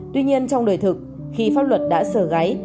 tuy nhiên trong đời thực khi pháp luật đã sở gáy